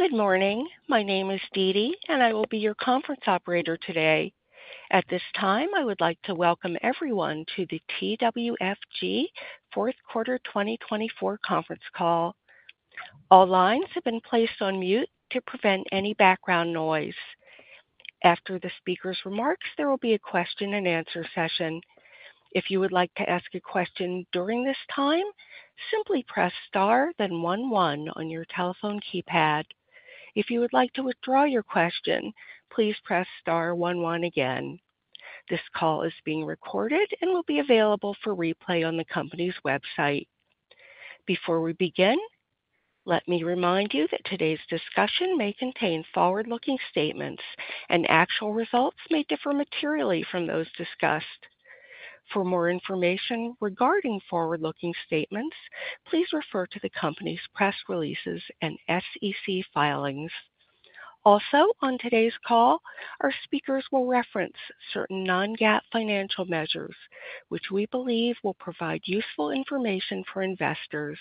Good morning. My name is Didi, and I will be your conference operator today. At this time, I would like to welcome everyone to the TWFG Fourth Quarter 2024 conference call. All lines have been placed on mute to prevent any background noise. After the speaker's remarks, there will be a question-and-answer session. If you would like to ask a question during this time, simply press star, then one one on your telephone keypad. If you would like to withdraw your question, please press star, 11 again. This call is being recorded and will be available for replay on the company's website. Before we begin, let me remind you that today's discussion may contain forward-looking statements, and actual results may differ materially from those discussed. For more information regarding forward-looking statements, please refer to the company's press releases and SEC filings. Also, on today's call, our speakers will reference certain non-GAAP financial measures, which we believe will provide useful information for investors.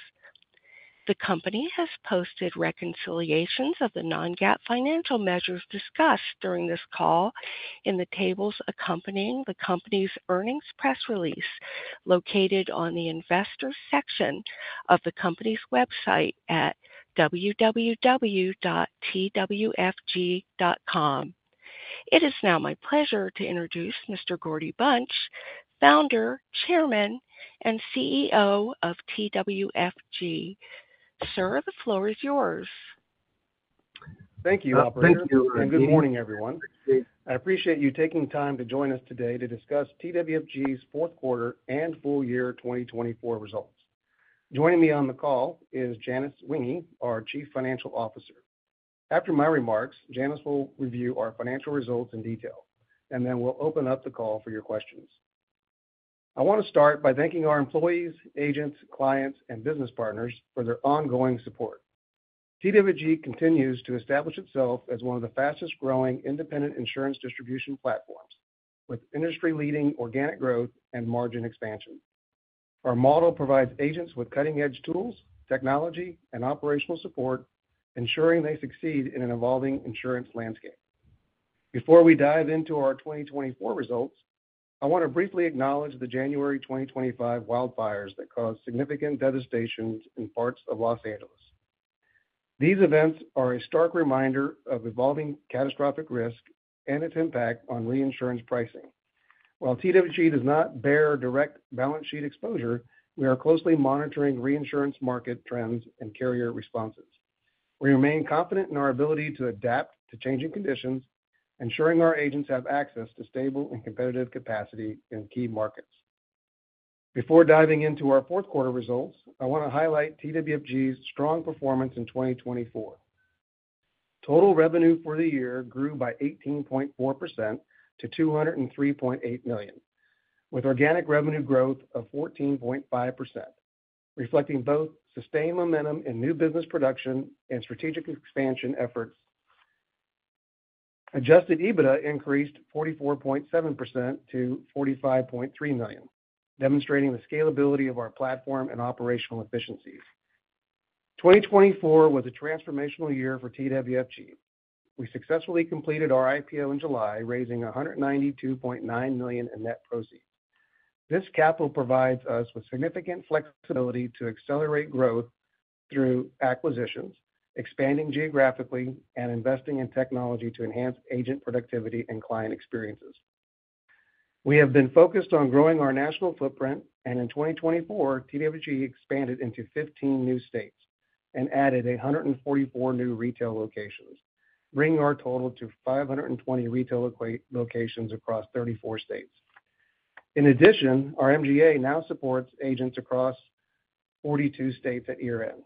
The company has posted reconciliations of the non-GAAP financial measures discussed during this call in the tables accompanying the company's earnings press release, located on the investor section of the company's website at www.twfg.com. It is now my pleasure to introduce Mr. Gordy Bunch, Founder, Chairman, and CEO of TWFG. Sir, the floor is yours. Thank you, Operator. Thank you, and good morning, everyone. I appreciate you taking time to join us today to discuss TWFG's fourth quarter and full year 2024 results. Joining me on the call is Janice Zwinggi, our Chief Financial Officer. After my remarks, Janice will review our financial results in detail, and then we'll open up the call for your questions. I want to start by thanking our employees, agents, clients, and business partners for their ongoing support. TWFG continues to establish itself as one of the fastest-growing independent insurance distribution platforms, with industry-leading organic growth and margin expansion. Our model provides agents with cutting-edge tools, technology, and operational support, ensuring they succeed in an evolving insurance landscape. Before we dive into our 2024 results, I want to briefly acknowledge the January 2025 wildfires that caused significant devastation in parts of Los Angeles. These events are a stark reminder of evolving catastrophic risk and its impact on reinsurance pricing. While TWFG does not bear direct balance sheet exposure, we are closely monitoring reinsurance market trends and carrier responses. We remain confident in our ability to adapt to changing conditions, ensuring our agents have access to stable and competitive capacity in key markets. Before diving into our fourth quarter results, I want to highlight TWFG's strong performance in 2024. Total revenue for the year grew by 18.4% to $203.8 million, with organic revenue growth of 14.5%, reflecting both sustained momentum in new business production and strategic expansion efforts. Adjusted EBITDA increased 44.7% to $45.3 million, demonstrating the scalability of our platform and operational efficiencies. 2024 was a transformational year for TWFG. We successfully completed our IPO in July, raising $192.9 million in net proceeds. This capital provides us with significant flexibility to accelerate growth through acquisitions, expanding geographically, and investing in technology to enhance agent productivity and client experiences. We have been focused on growing our national footprint, and in 2024, TWFG expanded into 15 new states and added 144 new retail locations, bringing our total to 520 retail locations across 34 states. In addition, our MGA now supports agents across 42 states at year-end.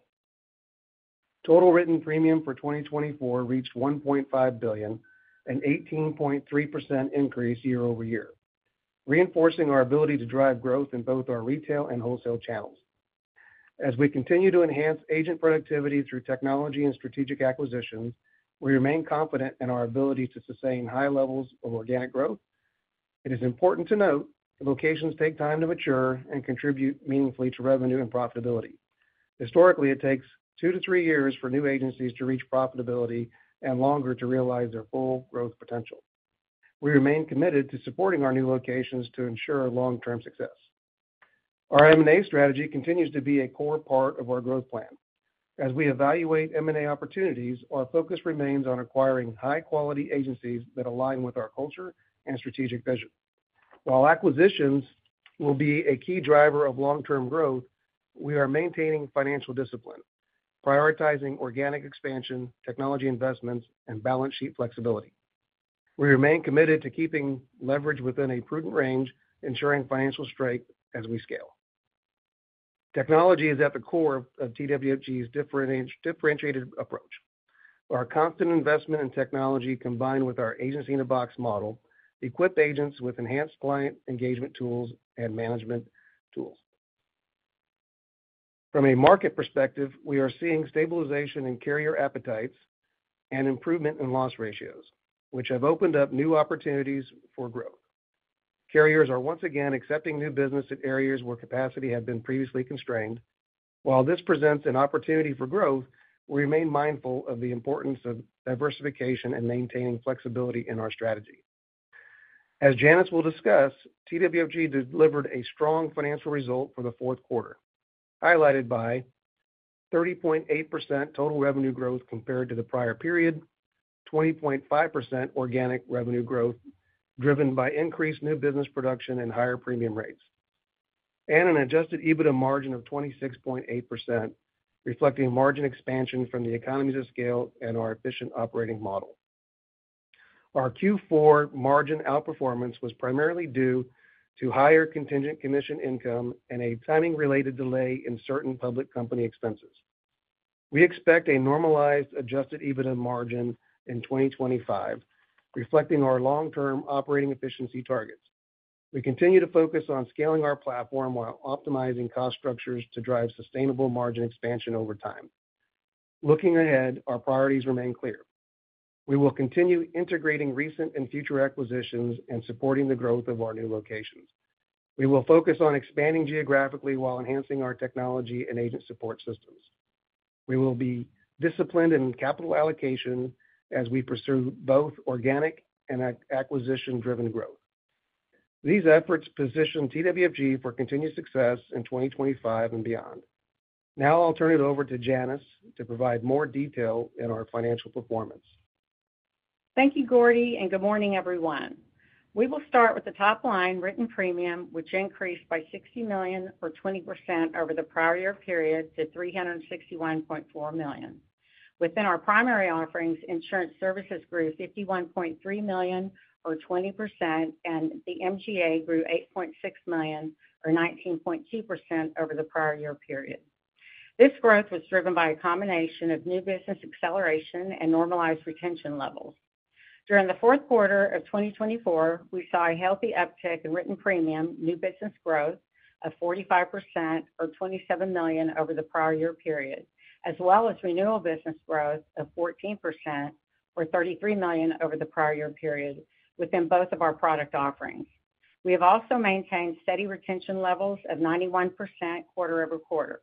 Total written premium for 2024 reached $1.5 billion, an 18.3% increase year over year, reinforcing our ability to drive growth in both our retail and wholesale channels. As we continue to enhance agent productivity through technology and strategic acquisitions, we remain confident in our ability to sustain high levels of organic growth. It is important to note that locations take time to mature and contribute meaningfully to revenue and profitability. Historically, it takes two to three years for new agencies to reach profitability and longer to realize their full growth potential. We remain committed to supporting our new locations to ensure long-term success. Our M&A strategy continues to be a core part of our growth plan. As we evaluate M&A opportunities, our focus remains on acquiring high-quality agencies that align with our culture and strategic vision. While acquisitions will be a key driver of long-term growth, we are maintaining financial discipline, prioritizing organic expansion, technology investments, and balance sheet flexibility. We remain committed to keeping leverage within a prudent range, ensuring financial strength as we scale. Technology is at the core of TWFG's differentiated approach. Our constant investment in technology, combined with our Agency-in-a-Box model, equips agents with enhanced client engagement tools and management tools. From a market perspective, we are seeing stabilization in carrier appetites and improvement in loss ratios, which have opened up new opportunities for growth. Carriers are once again accepting new business in areas where capacity had been previously constrained. While this presents an opportunity for growth, we remain mindful of the importance of diversification and maintaining flexibility in our strategy. As Janice will discuss, TWFG delivered a strong financial result for the fourth quarter, highlighted by 30.8% total revenue growth compared to the prior period, 20.5% organic revenue growth driven by increased new business production and higher premium rates, and an adjusted EBITDA margin of 26.8%, reflecting margin expansion from the economies of scale and our efficient operating model. Our Q4 margin outperformance was primarily due to higher contingent commission income and a timing-related delay in certain public company expenses. We expect a normalized adjusted EBITDA margin in 2025, reflecting our long-term operating efficiency targets. We continue to focus on scaling our platform while optimizing cost structures to drive sustainable margin expansion over time. Looking ahead, our priorities remain clear. We will continue integrating recent and future acquisitions and supporting the growth of our new locations. We will focus on expanding geographically while enhancing our technology and agent support systems. We will be disciplined in capital allocation as we pursue both organic and acquisition-driven growth. These efforts position TWFG for continued success in 2025 and beyond. Now I'll turn it over to Janice to provide more detail in our financial performance. Thank you, Gordy, and good morning, everyone. We will start with the top line written premium, which increased by $60 million, or 20% over the prior year period, to $361.4 million. Within our primary offerings, insurance services grew $51.3 million, or 20%, and the MGA grew $8.6 million, or 19.2%, over the prior year period. This growth was driven by a combination of new business acceleration and normalized retention levels. During the fourth quarter of 2024, we saw a healthy uptick in written premium, new business growth of 45%, or $27 million over the prior year period, as well as renewal business growth of 14%, or $33 million over the prior year period, within both of our product offerings. We have also maintained steady retention levels of 91% quarter over quarter.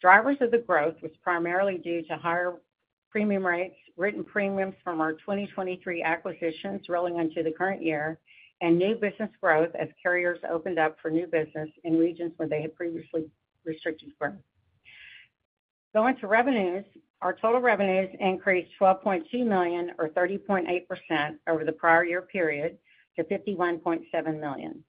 Drivers of the growth were primarily due to higher premium rates, written premiums from our 2023 acquisitions rolling into the current year, and new business growth as carriers opened up for new business in regions where they had previously restricted growth. Going to revenues, our total revenues increased $12.2 million, or 30.8%, over the prior year period, to $51.7 million.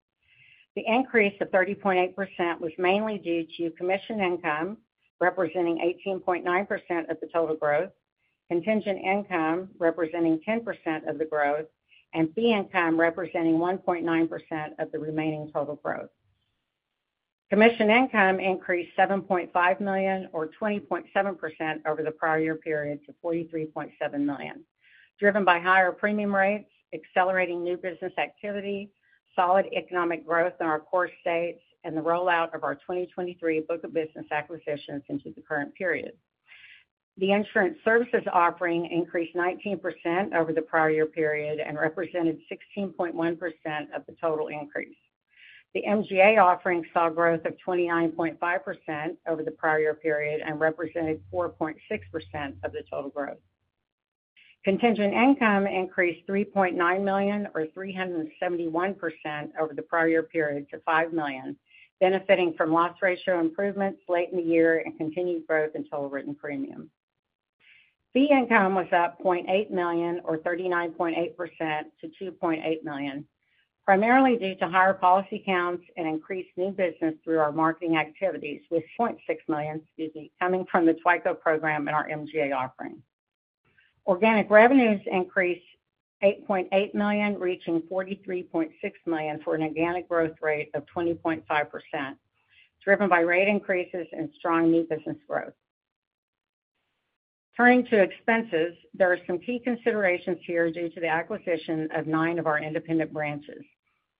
The increase of 30.8% was mainly due to commission income, representing 18.9% of the total growth, contingent income representing 10% of the growth, and fee income representing 1.9% of the remaining total growth. Commission income increased $7.5 million, or 20.7%, over the prior year period, to $43.7 million, driven by higher premium rates, accelerating new business activity, solid economic growth in our core states, and the rollout of our 2023 book of business acquisitions into the current period. The insurance services offering increased 19% over the prior year period and represented 16.1% of the total increase. The MGA offering saw growth of 29.5% over the prior year period and represented 4.6% of the total growth. Contingent income increased $3.9 million, or 371%, over the prior year period, to $5 million, benefiting from loss ratio improvements late in the year and continued growth in total written premium. Fee income was up $0.8 million, or 39.8%, to $2.8 million, primarily due to higher policy counts and increased new business through our marketing activities, with $0.6 million coming from the TWICO program in our MGA offering. Organic revenues increased $8.8 million, reaching $43.6 million for an organic growth rate of 20.5%, driven by rate increases and strong new business growth. Turning to expenses, there are some key considerations here due to the acquisition of nine of our independent branches.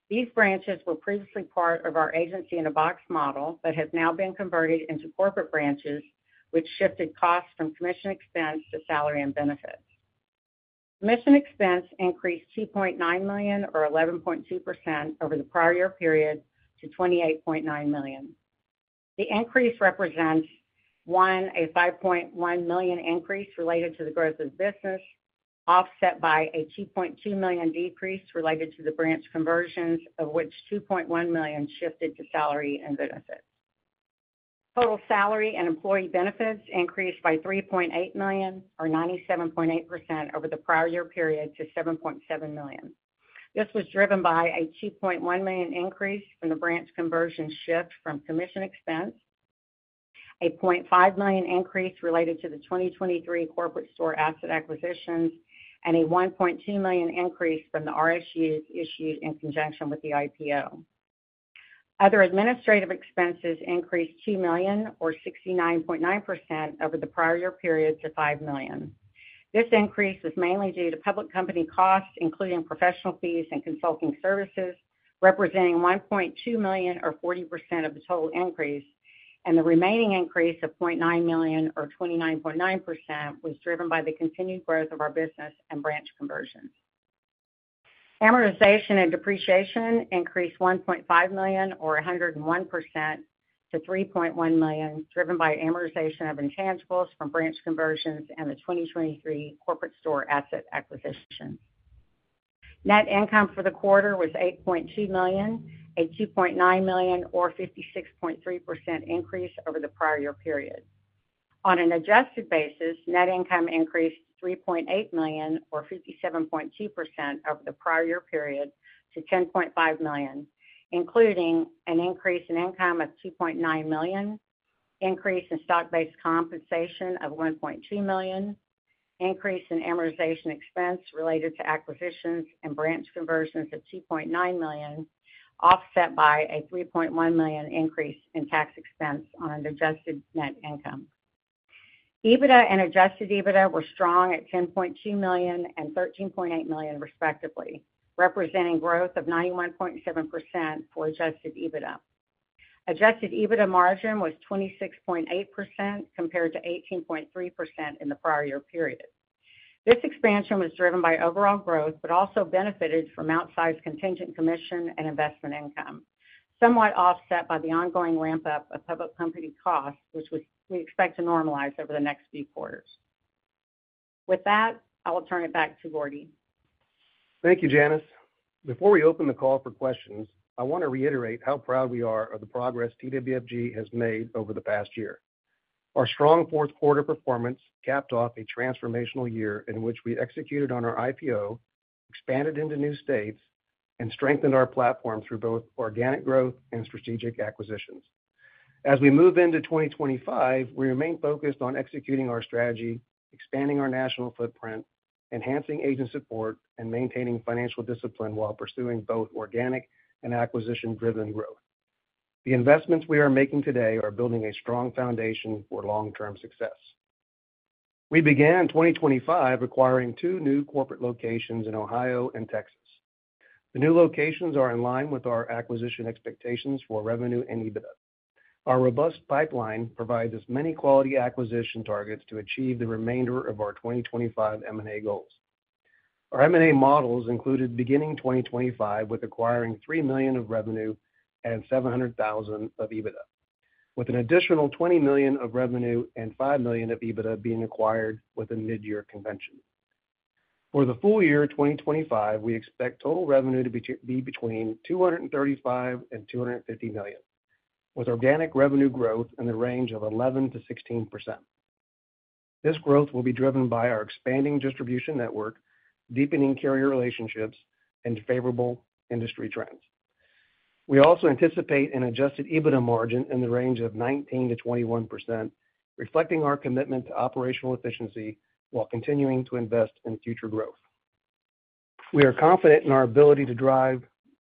These branches were previously part of our Agency-in-a-Box model but have now been converted into corporate branches, which shifted costs from commission expense to salary and benefits. Commission expense increased $2.9 million, or 11.2%, over the prior year period, to $28.9 million. The increase represents, one, a $5.1 million increase related to the growth of business, offset by a $2.2 million decrease related to the branch conversions, of which $2.1 million shifted to salary and benefits. Total salary and employee benefits increased by $3.8 million, or 97.8%, over the prior year period, to $7.7 million. This was driven by a $2.1 million increase from the branch conversion shift from commission expense, a $0.5 million increase related to the 2023 corporate store asset acquisitions, and a $1.2 million increase from the RSUs issued in conjunction with the IPO. Other administrative expenses increased $2 million, or 69.9%, over the prior year period, to $5 million. This increase was mainly due to public company costs, including professional fees and consulting services, representing $1.2 million, or 40%, of the total increase, and the remaining increase of $0.9 million, or 29.9%, was driven by the continued growth of our business and branch conversions. Amortization and depreciation increased $1.5 million, or 101%, to $3.1 million, driven by amortization of intangibles from branch conversions and the 2023 corporate store asset acquisitions. Net income for the quarter was $8.2 million, a $2.9 million, or 56.3%, increase over the prior year period. On an adjusted basis, net income increased $3.8 million, or 57.2%, over the prior year period, to $10.5 million, including an increase in income of $2.9 million, increase in stock-based compensation of $1.2 million, increase in amortization expense related to acquisitions and branch conversions of $2.9 million, offset by a $3.1 million increase in tax expense on an adjusted net income. EBITDA and adjusted EBITDA were strong at $10.2 million and $13.8 million, respectively, representing growth of 91.7% for adjusted EBITDA. Adjusted EBITDA margin was 26.8% compared to 18.3% in the prior year period. This expansion was driven by overall growth but also benefited from outsized contingent commission and investment income, somewhat offset by the ongoing ramp-up of public company costs, which we expect to normalize over the next few quarters. With that, I will turn it back to Gordy. Thank you, Janice. Before we open the call for questions, I want to reiterate how proud we are of the progress TWFG has made over the past year. Our strong fourth-quarter performance capped off a transformational year in which we executed on our IPO, expanded into new states, and strengthened our platform through both organic growth and strategic acquisitions. As we move into 2025, we remain focused on executing our strategy, expanding our national footprint, enhancing agent support, and maintaining financial discipline while pursuing both organic and acquisition-driven growth. The investments we are making today are building a strong foundation for long-term success. We began 2025 acquiring two new corporate locations in Ohio and Texas. The new locations are in line with our acquisition expectations for revenue and EBITDA. Our robust pipeline provides us many quality acquisition targets to achieve the remainder of our 2025 M&A goals. Our M&A models included beginning 2025 with acquiring $3 million of revenue and $700,000 of EBITDA, with an additional $20 million of revenue and $5 million of EBITDA being acquired with a mid-year convention. For the full year 2025, we expect total revenue to be between $235 million and $250 million, with organic revenue growth in the range of 11%-16%. This growth will be driven by our expanding distribution network, deepening carrier relationships, and favorable industry trends. We also anticipate an adjusted EBITDA margin in the range of 19%-21%, reflecting our commitment to operational efficiency while continuing to invest in future growth. We are confident in our ability to drive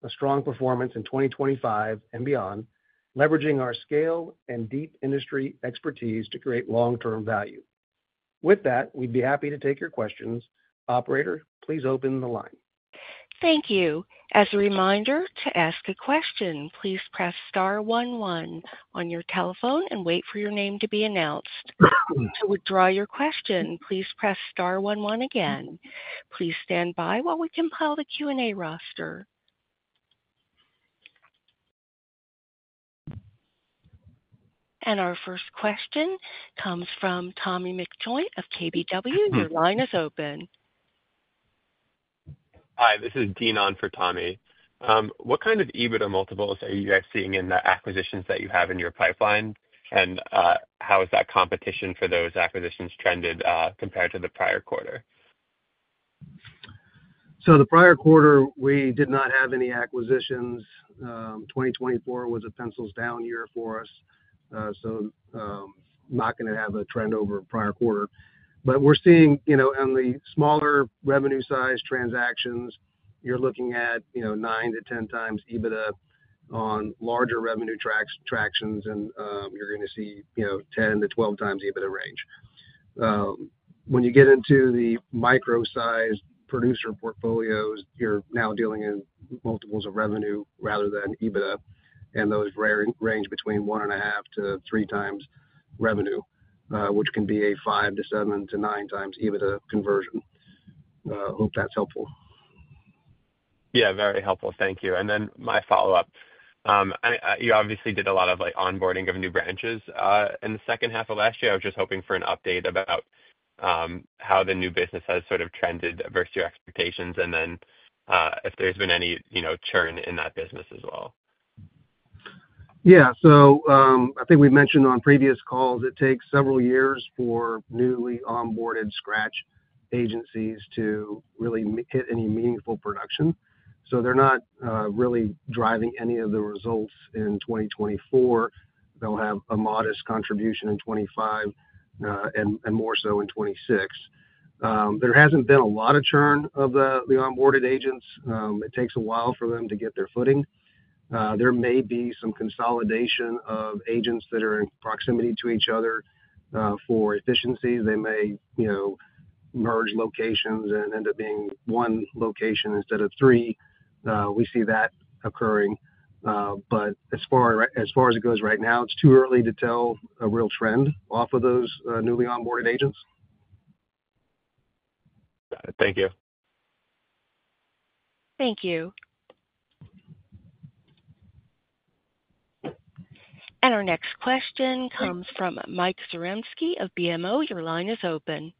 a strong performance in 2025 and beyond, leveraging our scale and deep industry expertise to create long-term value. With that, we'd be happy to take your questions. Operator, please open the line. Thank you. As a reminder, to ask a question, please press star one one on your telephone and wait for your name to be announced. To withdraw your question, please press star one one again. Please stand by while we compile the Q&A roster. Our first question comes from Tommy McJoynt of KBW. Your line is open. Hi, this is Dean on for Tommy. What kind of EBITDA multiples are you guys seeing in the acquisitions that you have in your pipeline, and how has that competition for those acquisitions trended compared to the prior quarter? The prior quarter, we did not have any acquisitions. 2024 was a pencils-down year for us, so not going to have a trend over prior quarter. We're seeing on the smaller revenue-sized transactions, you're looking at 9x-10x EBITDA. On larger revenue transactions, you're going to see 10x-12x EBITDA range. When you get into the micro-sized producer portfolios, you're now dealing in multiples of revenue rather than EBITDA, and those range between one and a half to three times revenue, which can be a five to seven to nine times EBITDA conversion. Hope that's helpful. Yeah, very helpful. Thank you. My follow-up. You obviously did a lot of onboarding of new branches in the second half of last year. I was just hoping for an update about how the new business has sort of trended versus your expectations and if there's been any churn in that business as well. Yeah. I think we mentioned on previous calls, it takes several years for newly onboarded scratch agencies to really hit any meaningful production. They are not really driving any of the results in 2024. They will have a modest contribution in 2025 and more so in 2026. There has not been a lot of churn of the onboarded agents. It takes a while for them to get their footing. There may be some consolidation of agents that are in proximity to each other for efficiencies. They may merge locations and end up being one location instead of three. We see that occurring. As far as it goes right now, it is too early to tell a real trend off of those newly onboarded agents. Got it. Thank you. Thank you. Our next question comes from Mike Zaremski of BMO. Your line is open.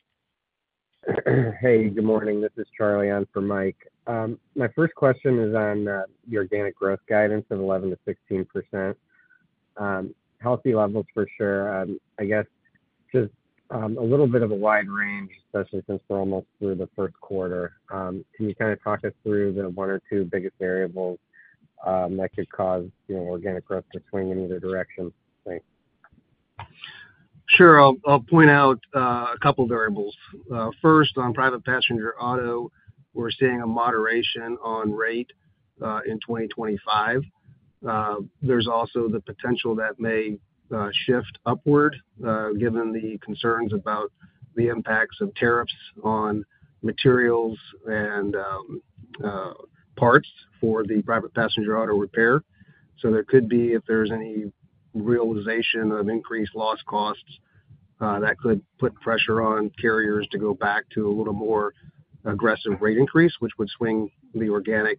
Hey, good morning. This is Charlie. I'm for Mike. My first question is on the organic growth guidance of 11%-16%. Healthy levels, for sure. I guess just a little bit of a wide range, especially since we're almost through the first quarter. Can you kind of talk us through the one or two biggest variables that could cause organic growth to swing in either direction? Thanks. Sure. I'll point out a couple of variables. First, on private passenger auto, we're seeing a moderation on rate in 2025. There's also the potential that may shift upward given the concerns about the impacts of tariffs on materials and parts for the private passenger auto repair. There could be, if there's any realization of increased loss costs, that could put pressure on carriers to go back to a little more aggressive rate increase, which would swing the organic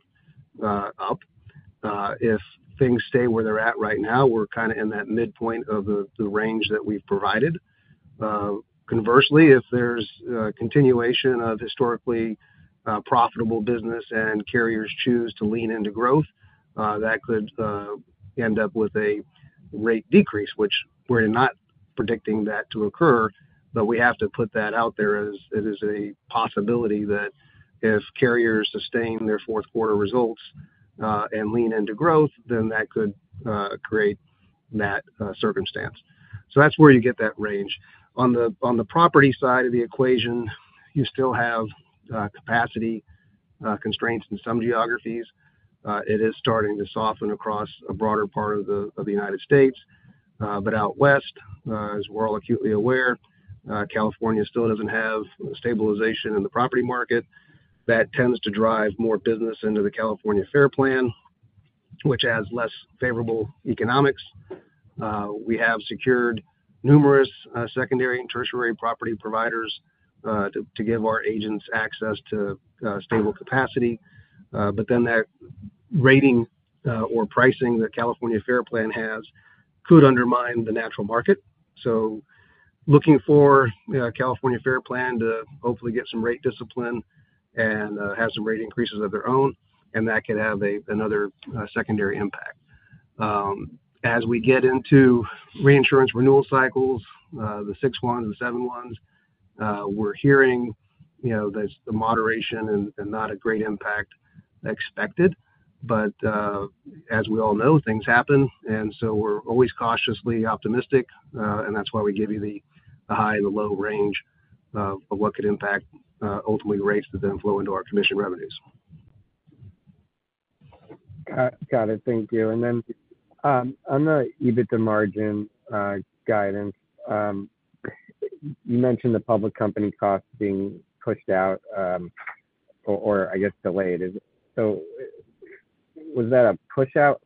up. If things stay where they're at right now, we're kind of in that midpoint of the range that we've provided. Conversely, if there's continuation of historically profitable business and carriers choose to lean into growth, that could end up with a rate decrease, which we're not predicting that to occur, but we have to put that out there as it is a possibility that if carriers sustain their fourth-quarter results and lean into growth, then that could create that circumstance. That's where you get that range. On the property side of the equation, you still have capacity constraints in some geographies. It is starting to soften across a broader part of the United States. Out west, as we're all acutely aware, California still doesn't have stabilization in the property market. That tends to drive more business into the California FAIR Plan, which has less favorable economics. We have secured numerous secondary and tertiary property providers to give our agents access to stable capacity. That rating or pricing that California FAIR Plan has could undermine the natural market. Looking for California FAIR Plan to hopefully get some rate discipline and have some rate increases of their own, and that could have another secondary impact. As we get into reinsurance renewal cycles, the six-month and seven-month, we're hearing the moderation and not a great impact expected. As we all know, things happen, and so we're always cautiously optimistic, and that's why we give you the high and the low range of what could impact ultimately rates that then flow into our commission revenues. Got it. Thank you. On the EBITDA margin guidance, you mentioned the public company costs being pushed out or, I guess, delayed. Was that a push-out?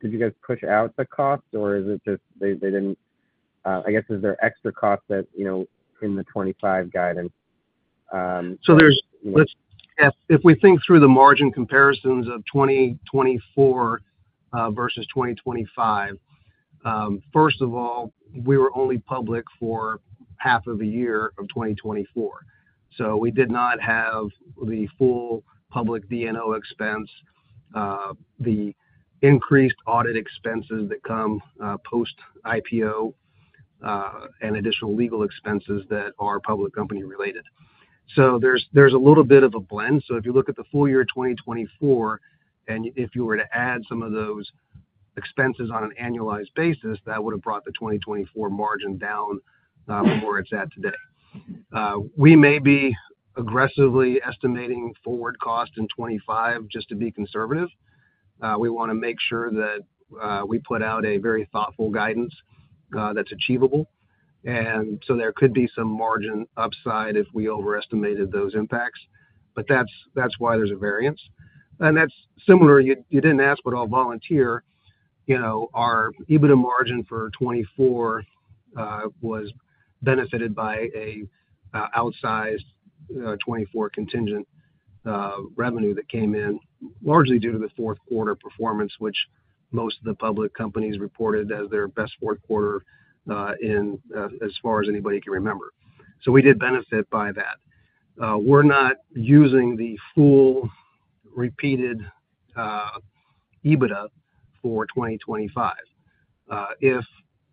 Did you guys push out the costs, or is it just they did not? I guess is there extra costs in the 2025 guidance? If we think through the margin comparisons of 2024 versus 2025, first of all, we were only public for half of the year of 2024. We did not have the full public D&O expense, the increased audit expenses that come post-IPO, and additional legal expenses that are public company related. There is a little bit of a blend. If you look at the full year 2024, and if you were to add some of those expenses on an annualized basis, that would have brought the 2024 margin down to where it is at today. We may be aggressively estimating forward cost in 2025 just to be conservative. We want to make sure that we put out a very thoughtful guidance that is achievable. There could be some margin upside if we overestimated those impacts. That is why there is a variance. That is similar. You didn't ask, but I'll volunteer. Our EBITDA margin for 2024 was benefited by an outsized 2024 contingent revenue that came in, largely due to the fourth-quarter performance, which most of the public companies reported as their best fourth quarter as far as anybody can remember. We did benefit by that. We're not using the full repeated EBITDA for 2025. If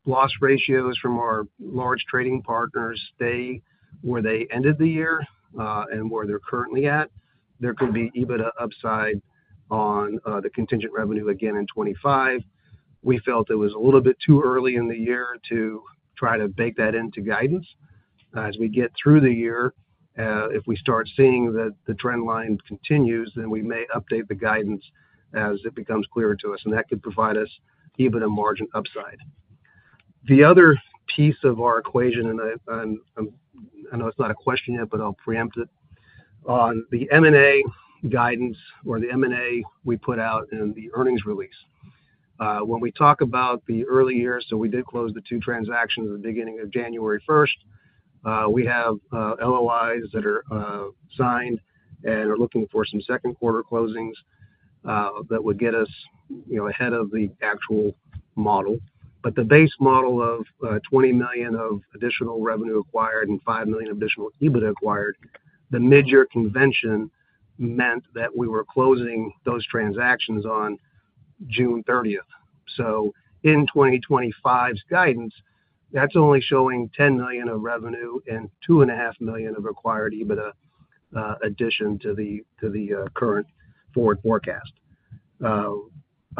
loss ratios from our large trading partners stay where they ended the year and where they're currently at, there could be EBITDA upside on the contingent revenue again in 2025. We felt it was a little bit too early in the year to try to bake that into guidance. As we get through the year, if we start seeing that the trend line continues, then we may update the guidance as it becomes clearer to us, and that could provide us EBITDA margin upside. The other piece of our equation, and I know it's not a question yet, but I'll preempt it, on the M&A guidance or the M&A we put out in the earnings release. When we talk about the early year, we did close the two transactions at the beginning of January 1st. We have LOIs that are signed and are looking for some second-quarter closings that would get us ahead of the actual model. The base model of $20 million of additional revenue acquired and $5 million of additional EBITDA acquired, the mid-year convention meant that we were closing those transactions on June 30. In 2025's guidance, that's only showing $10 million of revenue and $2.5 million of acquired EBITDA addition to the current forward forecast. I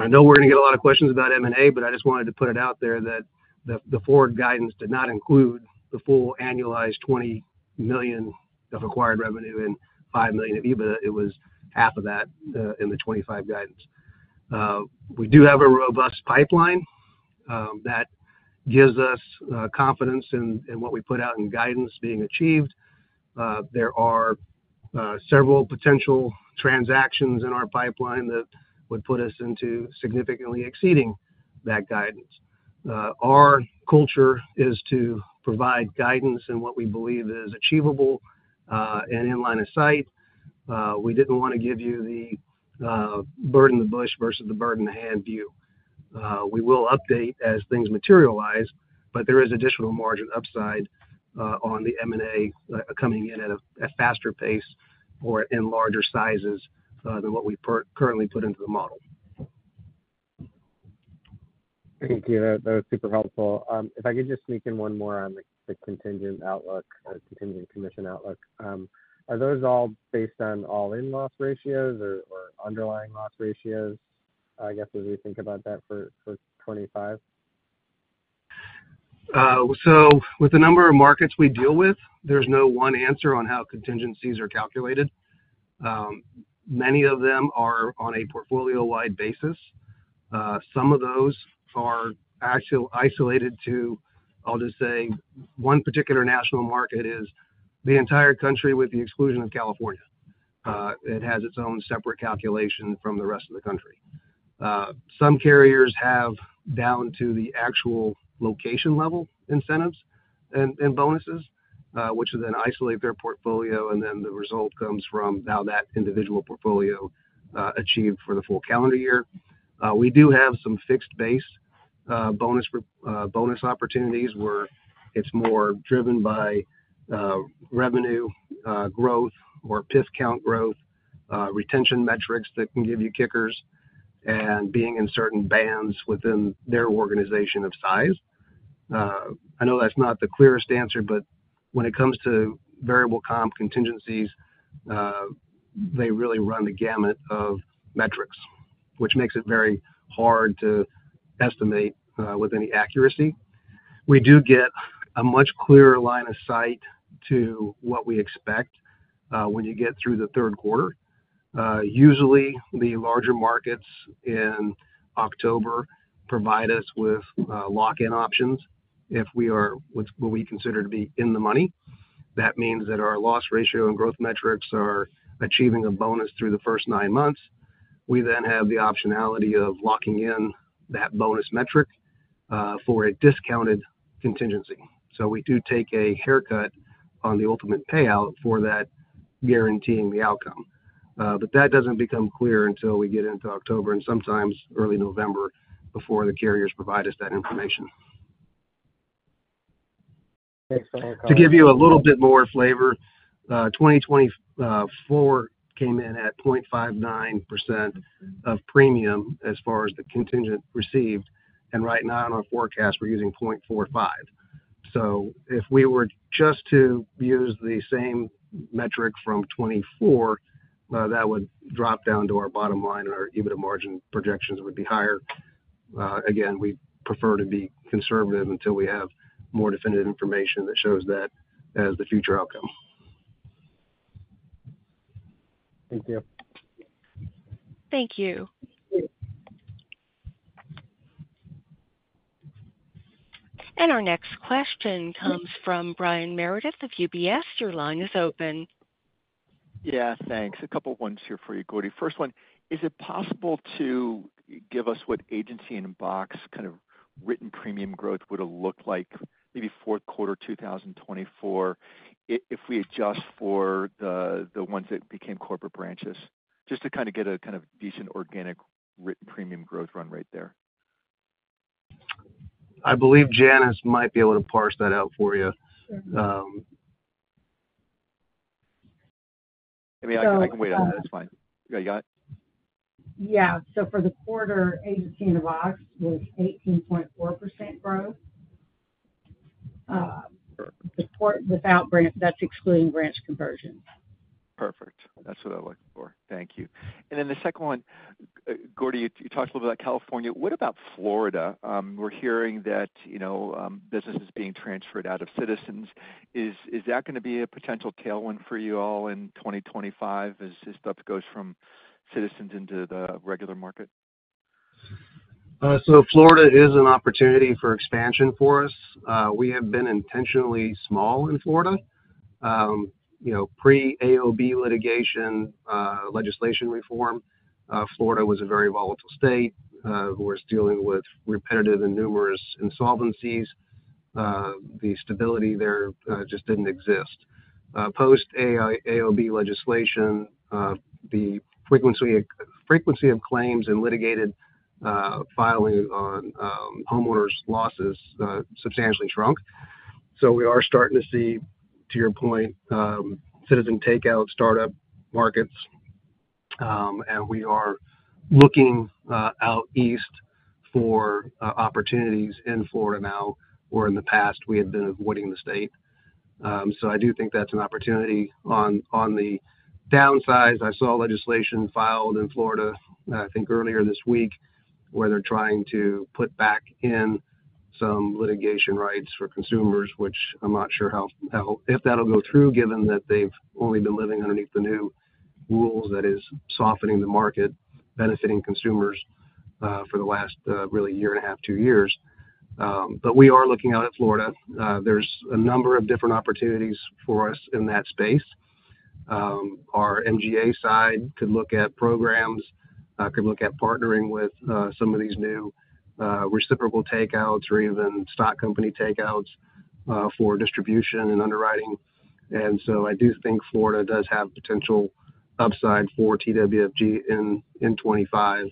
know we're going to get a lot of questions about M&A, but I just wanted to put it out there that the forward guidance did not include the full annualized $20 million of acquired revenue and $5 million of EBITDA. It was half of that in the 2025 guidance. We do have a robust pipeline that gives us confidence in what we put out in guidance being achieved. There are several potential transactions in our pipeline that would put us into significantly exceeding that guidance. Our culture is to provide guidance in what we believe is achievable and in line of sight. We didn't want to give you the burden of the bush versus the burden of the hand view. We will update as things materialize, but there is additional margin upside on the M&A coming in at a faster pace or in larger sizes than what we currently put into the model. Thank you. That was super helpful. If I could just sneak in one more on the contingent outlook or contingent commission outlook, are those all based on all-in loss ratios or underlying loss ratios, I guess, as we think about that for 2025? With the number of markets we deal with, there's no one answer on how contingencies are calculated. Many of them are on a portfolio-wide basis. Some of those are isolated to, I'll just say, one particular national market is the entire country with the exclusion of California. It has its own separate calculation from the rest of the country. Some carriers have down to the actual location level incentives and bonuses, which then isolate their portfolio, and then the result comes from how that individual portfolio achieved for the full calendar year. We do have some fixed-based bonus opportunities where it's more driven by revenue growth or PIF count growth, retention metrics that can give you kickers, and being in certain bands within their organization of size. I know that's not the clearest answer, but when it comes to variable comp contingencies, they really run the gamut of metrics, which makes it very hard to estimate with any accuracy. We do get a much clearer line of sight to what we expect when you get through the third quarter. Usually, the larger markets in October provide us with lock-in options if we are what we consider to be in the money. That means that our loss ratio and growth metrics are achieving a bonus through the first nine months. We then have the optionality of locking in that bonus metric for a discounted contingency. We do take a haircut on the ultimate payout for that guaranteeing the outcome. That does not become clear until we get into October and sometimes early November before the carriers provide us that information. Thanks, Gordy. To give you a little bit more flavor, 2024 came in at 0.59% of premium as far as the contingent received. Right now, in our forecast, we're using 0.45%. If we were just to use the same metric from 2024, that would drop down to our bottom line and our EBITDA margin projections would be higher. Again, we prefer to be conservative until we have more definitive information that shows that as the future outcome. Thank you. Thank you. Our next question comes from Brian Meredith of UBS. Your line is open. Yeah. Thanks. A couple of ones here for you, Gordy. First one, is it possible to give us what Agency-in-a-box kind of written premium growth would have looked like maybe fourth quarter 2024 if we adjust for the ones that became corporate branches? Just to kind of get a kind of decent organic written premium growth run rate there. I believe Janice might be able to parse that out for you. I mean, I can wait on that. That's fine. You got it? Yeah. For the quarter, Agency-in-a-Box was 18.4% growth. Perfect. Without branch, that's excluding branch conversions. Perfect. That's what I'm looking for. Thank you. The second one, Gordy, you talked a little bit about California. What about Florida? We're hearing that business is being transferred out of Citizens. Is that going to be a potential tailwind for you all in 2025 as this stuff goes from Citizens into the regular market? Florida is an opportunity for expansion for us. We have been intentionally small in Florida. Pre-AOB litigation legislation reform, Florida was a very volatile state. We're dealing with repetitive and numerous insolvencies. The stability there just didn't exist. Post-AOB legislation, the frequency of claims and litigated filing on homeowners' losses substantially shrunk. We are starting to see, to your point, citizen takeout startup markets. We are looking out east for opportunities in Florida now where in the past we had been avoiding the state. I do think that's an opportunity. On the downsides, I saw legislation filed in Florida, I think earlier this week, where they're trying to put back in some litigation rights for consumers, which I'm not sure if that'll go through, given that they've only been living underneath the new rules that is softening the market, benefiting consumers for the last really year and a half, two years. We are looking out at Florida. There's a number of different opportunities for us in that space. Our MGA side could look at programs, could look at partnering with some of these new reciprocal takeouts or even stock company takeouts for distribution and underwriting. I do think Florida does have potential upside for TWFG in 2025.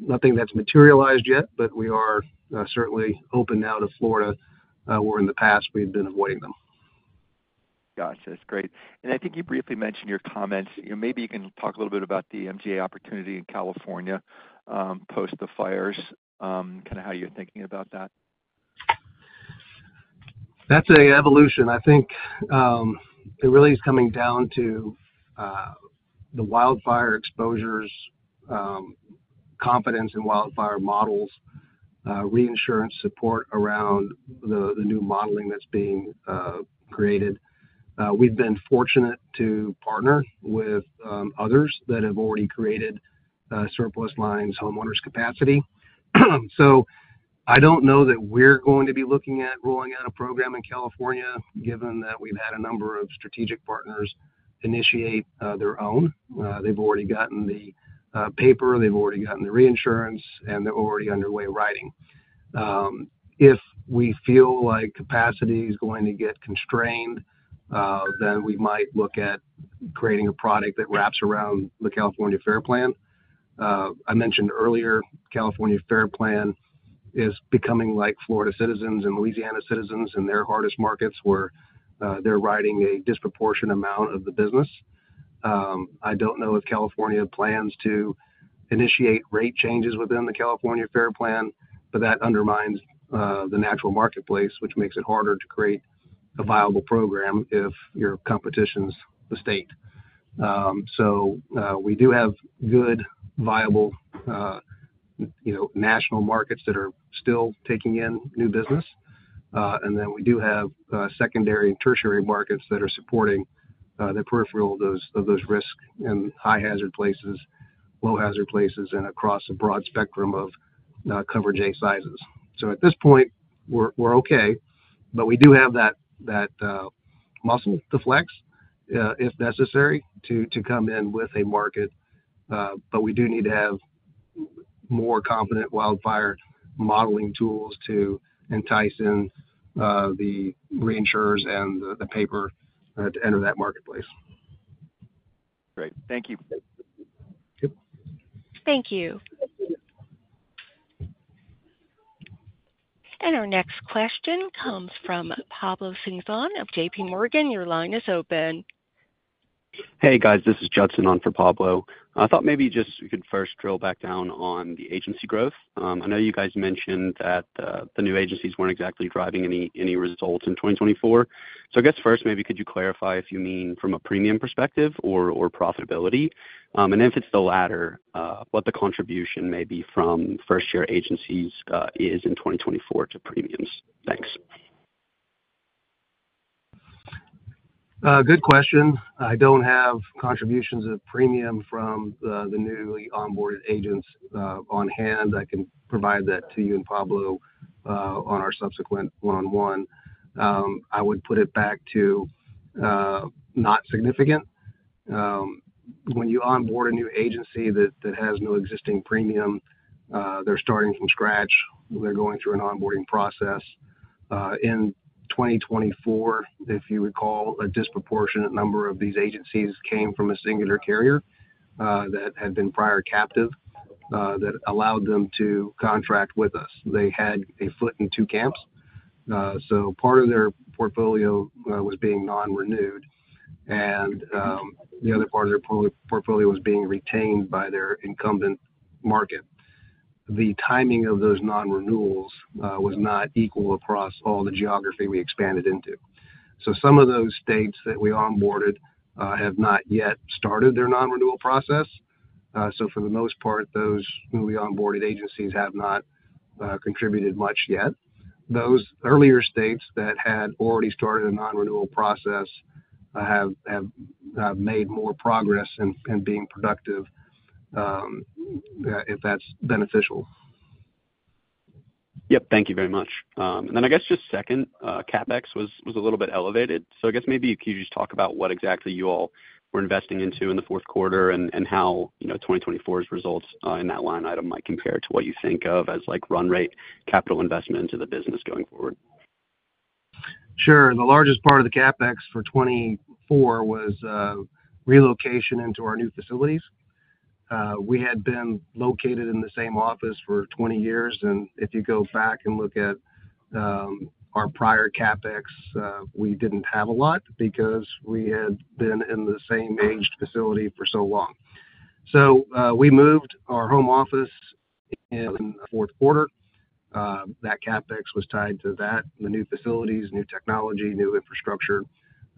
Nothing that's materialized yet, but we are certainly open now to Florida where in the past we had been avoiding them. Gotcha. That's great. I think you briefly mentioned your comments. Maybe you can talk a little bit about the MGA opportunity in California post the fires, kind of how you're thinking about that. That's an evolution. I think it really is coming down to the wildfire exposures, confidence in wildfire models, reinsurance support around the new modeling that's being created. We've been fortunate to partner with others that have already created surplus lines, homeowners' capacity. I don't know that we're going to be looking at rolling out a program in California, given that we've had a number of strategic partners initiate their own. They've already gotten the paper. They've already gotten the reinsurance, and they're already underway writing. If we feel like capacity is going to get constrained, then we might look at creating a product that wraps around the California FAIR Plan. I mentioned earlier, California FAIR Plan is becoming like Florida Citizens and Louisiana Citizens in their hardest markets where they're writing a disproportionate amount of the business. I don't know if California plans to initiate rate changes within the California FAIR Plan, but that undermines the natural marketplace, which makes it harder to create a viable program if your competition's the state. We do have good, viable national markets that are still taking in new business. We do have secondary and tertiary markets that are supporting the peripheral of those risks in high-hazard places, low-hazard places, and across a broad spectrum of coverage A sizes. At this point, we're okay, but we do have that muscle to flex if necessary to come in with a market. We do need to have more competent wildfire modeling tools to entice in the reinsurers and the paper to enter that marketplace. Great. Thank you. Yep. Thank you. Our next question comes from Pablo Singzon of JPMorgan. Your line is open. Hey, guys. This is Judson on for Pablo. I thought maybe just we could first drill back down on the agency growth. I know you guys mentioned that the new agencies weren't exactly driving any results in 2024. I guess first, maybe could you clarify if you mean from a premium perspective or profitability? If it's the latter, what the contribution may be from first-year agencies is in 2024 to premiums? Thanks. Good question. I don't have contributions of premium from the newly onboarded agents on hand. I can provide that to you and Pablo on our subsequent one-on-one. I would put it back to not significant. When you onboard a new agency that has no existing premium, they're starting from scratch. They're going through an onboarding process. In 2024, if you recall, a disproportionate number of these agencies came from a singular carrier that had been prior captive that allowed them to contract with us. They had a foot in two camps. Part of their portfolio was being non-renewed, and the other part of their portfolio was being retained by their incumbent market. The timing of those non-renewals was not equal across all the geography we expanded into. Some of those states that we onboarded have not yet started their non-renewal process. For the most part, those newly onboarded agencies have not contributed much yet. Those earlier states that had already started a non-renewal process have made more progress in being productive, if that's beneficial. Yep. Thank you very much. I guess just second, CapEx was a little bit elevated. I guess maybe could you just talk about what exactly you all were investing into in the fourth quarter and how 2024's results in that line item might compare to what you think of as run rate capital investment into the business going forward? Sure. The largest part of the CapEx for 2024 was relocation into our new facilities. We had been located in the same office for 20 years. If you go back and look at our prior CapEx, we did not have a lot because we had been in the same-aged facility for so long. We moved our home office in the fourth quarter. That CapEx was tied to that, the new facilities, new technology, new infrastructure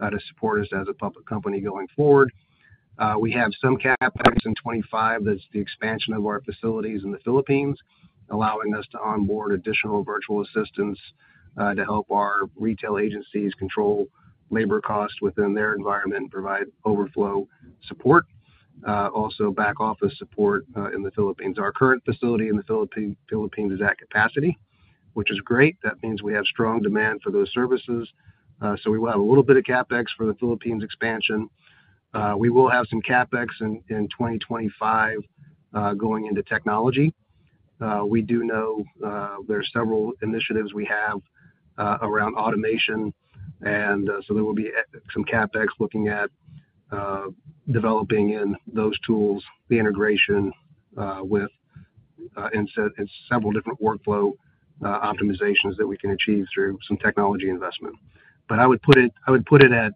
to support us as a public company going forward. We have some CapEx in 2025 that is the expansion of our facilities in the Philippines, allowing us to onboard additional virtual assistants to help our retail agencies control labor costs within their environment and provide overflow support, also back office support in the Philippines. Our current facility in the Philippines is at capacity, which is great. That means we have strong demand for those services. We will have a little bit of CapEx for the Philippines expansion. We will have some CapEx in 2025 going into technology. We do know there are several initiatives we have around automation. There will be some CapEx looking at developing in those tools, the integration with several different workflow optimizations that we can achieve through some technology investment. I would put it at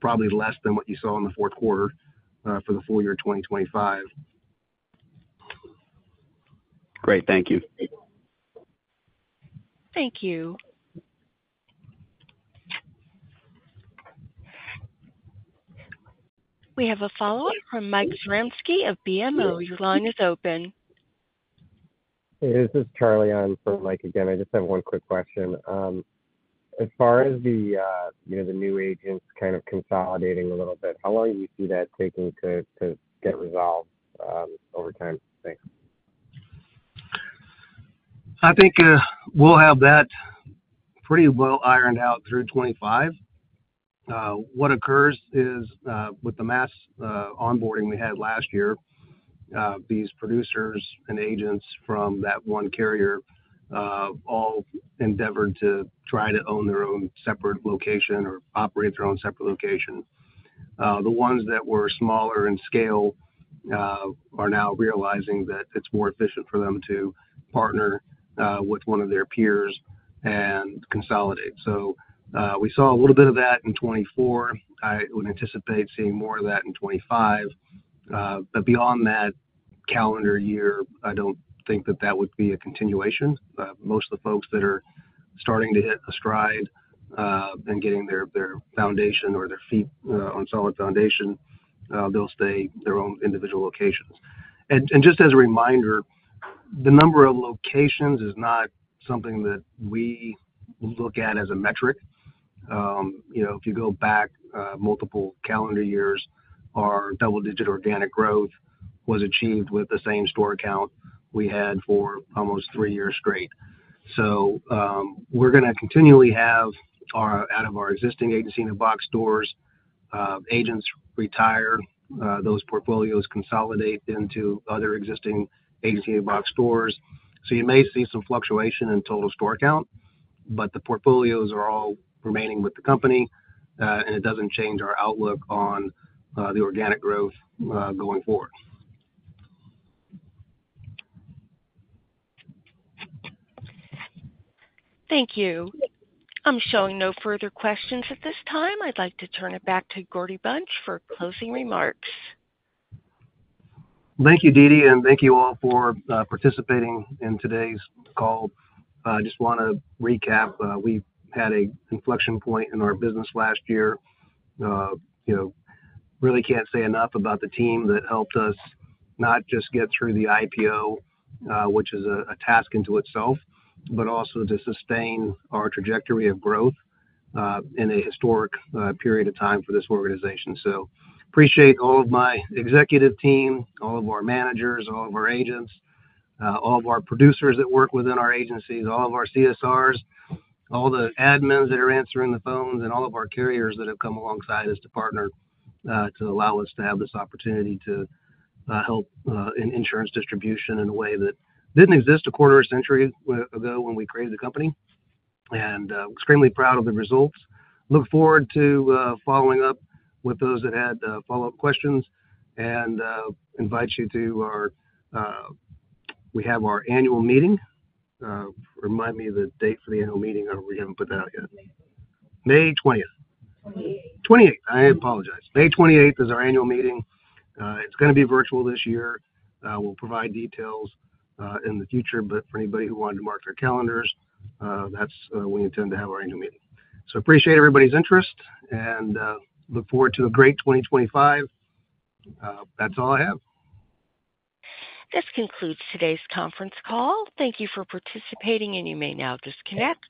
probably less than what you saw in the fourth quarter for the full year 2025. Great. Thank you. Thank you. We have a follow-up from Mike Zaremski of BMO. Your line is open. Hey. This is Charlie on for Mike again. I just have one quick question. As far as the new agents kind of consolidating a little bit, how long do you see that taking to get resolved over time? Thanks. I think we'll have that pretty well ironed out through 2025. What occurs is with the mass onboarding we had last year, these producers and agents from that one carrier all endeavored to try to own their own separate location or operate their own separate location. The ones that were smaller in scale are now realizing that it's more efficient for them to partner with one of their peers and consolidate. We saw a little bit of that in 2024. I would anticipate seeing more of that in 2025. Beyond that calendar year, I do not think that would be a continuation. Most of the folks that are starting to hit a stride and getting their foundation or their feet on solid foundation, they'll stay in their own individual locations. Just as a reminder, the number of locations is not something that we look at as a metric. If you go back multiple calendar years, our double-digit organic growth was achieved with the same store count we had for almost three years straight. We are going to continually have out of our existing Agency-in-a-Box stores, agents retire, those portfolios consolidate into other existing Agency-in-a-Box stores. You may see some fluctuation in total store count, but the portfolios are all remaining with the company, and it does not change our outlook on the organic growth going forward. Thank you. I'm showing no further questions at this time. I'd like to turn it back to Gordy Bunch for closing remarks. Thank you, Didi, and thank you all for participating in today's call. I just want to recap. We had an inflection point in our business last year. Really can't say enough about the team that helped us not just get through the IPO, which is a task into itself, but also to sustain our trajectory of growth in a historic period of time for this organization. I appreciate all of my executive team, all of our managers, all of our agents, all of our producers that work within our agencies, all of our CSRs, all the admins that are answering the phones, and all of our carriers that have come alongside us to partner to allow us to have this opportunity to help in insurance distribution in a way that didn't exist a quarter of a century ago when we created the company. I am extremely proud of the results. Look forward to following up with those that had follow-up questions and invite you to our we have our annual meeting. Remind me the date for the annual meeting. We haven't put that out yet. May 20th. 28th. May 28th is our annual meeting. It's going to be virtual this year. We'll provide details in the future, but for anybody who wanted to mark their calendars, that's when you tend to have our annual meeting. I appreciate everybody's interest and look forward to a great 2025. That's all I have. This concludes today's conference call. Thank you for participating, and you may now disconnect.